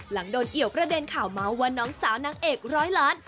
หลังโดนเอี่ยวประเด็นข่าวเมาส์ว่าน้องสาวนางเอกร้อยล้าน